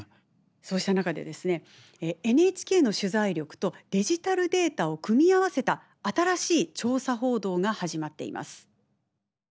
そうした中でですねＮＨＫの取材力とデジタルデータを組み合わせた新しい調査報道が始まっています。